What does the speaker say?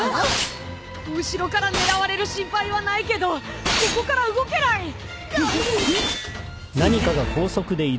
後ろから狙われる心配はないけどここから動けない！